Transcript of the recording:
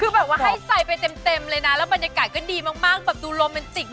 คือแบบว่าให้ใส่ไปเต็มเลยนะแล้วบรรยากาศก็ดีมากแบบดูโรแมนติก